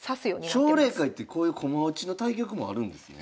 奨励会ってこういう駒落ちの対局もあるんですね。